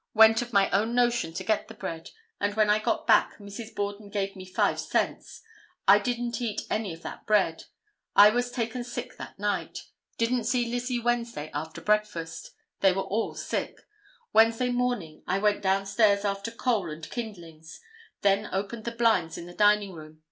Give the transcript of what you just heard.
Went of my own notion to get the bread, and when I got back Mrs. Borden gave me five cents. I didn't eat any of that bread. I was taken sick that night. Didn't see Lizzie Wednesday after breakfast. They were all sick. Wednesday morning I went down stairs after coal and kindlings. Then opened the blinds in the dining room.